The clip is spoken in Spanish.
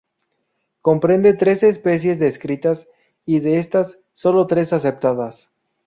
Comprende trece especies descritas y de estas, solo tres aceptadas.